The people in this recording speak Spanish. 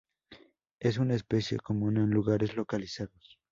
Es una especie común en lugares localizados.